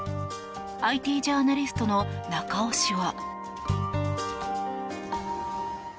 ＩＴジャーナリストの中尾氏は。